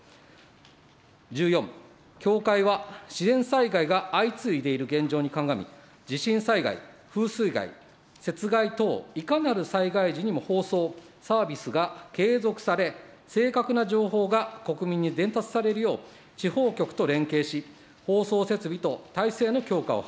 １４、協会は自然災害が相次いでいる現状に鑑み、地震災害、風水害、雪害等いかなる災害時にも放送、サービスが継続され、正確な情報が国民に伝達されるよう、地方局と連携し、放送設備と体制の強化を図ること。